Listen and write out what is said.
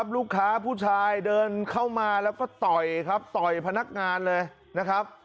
ลูกค้าและผู้ชายเดินเข้ามาแล้วต่อยพนักงานเลยนะครับ